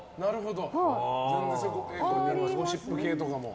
ゴシップ系とかも。